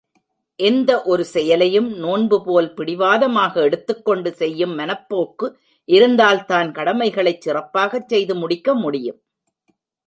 எந்த ஒரு செயலையும் நோன்புபோல் பிடிவாதமாக எடுத்துக்கொண்டு செய்யும் மனப்போக்கு இருந்தால்தான் கடமைகளைச் சிறப்பாகச் செய்து முடிக்க முடியும்.